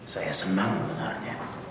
saya senang sebenarnya